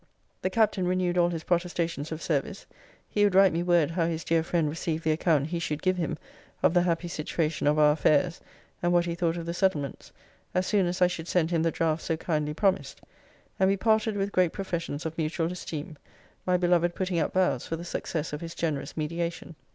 ] The Captain renewed all his protestations of service. He would write me word how his dear friend received the account he should give him of the happy situation of our affairs, and what he thought of the settlements, as soon as I should send him the draughts so kindly promised. And we parted with great professions of mutual esteem; my beloved putting up vows for the success of his generous mediation.